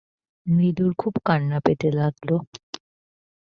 নীলুর খুব কান্না পেতে লাগল।